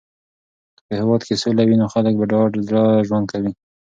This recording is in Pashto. که په هېواد کې سوله وي نو خلک په ډاډه زړه ژوند کوي.